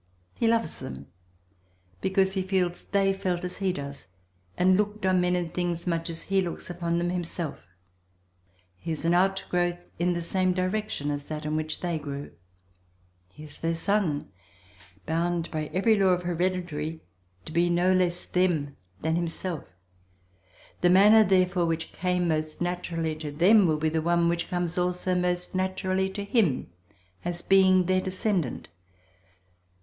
He loves them because he feels they felt as he does, and looked on men and things much as he looks upon them himself; he is an outgrowth in the same direction as that in which they grew; he is their son, bound by every law of heredity to be no less them than himself; the manner, therefore, which came most naturally to them will be the one which comes also most naturally to him as being their descendant.